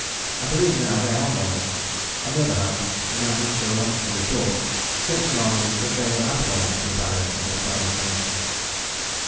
I believe now they are normal: on the other hand, in our meteorological report Simpson argues that they were abnormal for the Barrier at this time of year.